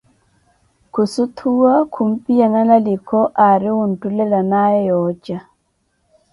Khusuthuwa, khumpiyana na liikho aari wunttulelanaawe yooca.